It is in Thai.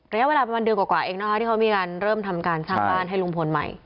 ระยะเวลาประมาณเดือนกว่าเองนะคะที่เขามีการเริ่มทำการสร้างบ้านให้ลุงพลใหม่